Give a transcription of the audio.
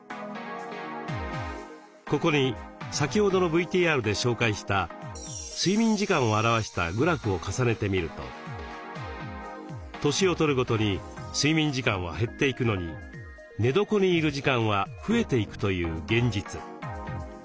ここに先ほどのＶＴＲで紹介した睡眠時間を表したグラフを重ねてみると年をとるごとに睡眠時間は減っていくのに寝床にいる時間は増えていくという現実。